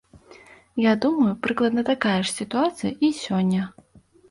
Я думаю, прыкладна такая ж сітуацыя і сёння.